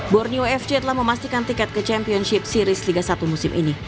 borneo fc telah memastikan tiket ke championship series liga satu musim ini